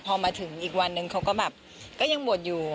พอมาถึงอีกวันนึงเขาก็แบบก็ยังบวชอยู่